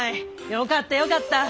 よかったよかった。